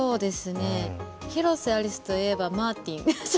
広瀬アリスといえばマーティン。